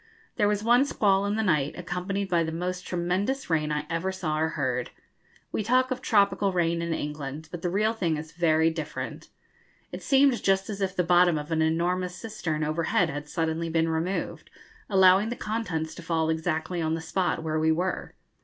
There was one squall in the night, accompanied by the most tremendous rain I ever saw or heard. We talk of tropical rain in England, but the real thing is very different. It seemed just as if the bottom of an enormous cistern overhead had suddenly been removed, allowing the contents to fall exactly on the spot where we were.